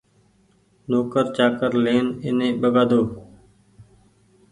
نوڪر چآڪر لين ايني ٻگآۮو ني